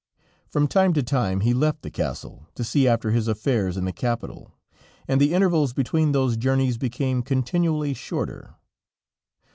From time to time he left the castle, to see after his affairs in the capital, and the intervals between those journeys became continually shorter.